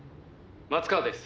「松川です。